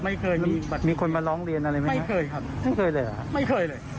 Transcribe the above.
ไม่เคยมีบัตรมีคนมาร้องเรียนอะไรไหมครับไม่เคยครับไม่เคยเลยเหรอครับไม่เคยเลย